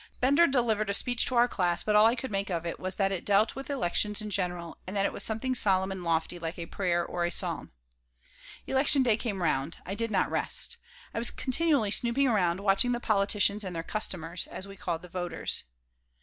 Bender delivered a speech to our class, but all I could make of it was that it dealt with elections in general, and that it was something solemn and lofty, like a prayer or a psalm Election Day came round. I did not rest. I was continually snooping around, watching the politicians and their "customers," as we called the voters.